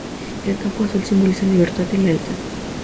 El campo azul simboliza libertad y lealtad.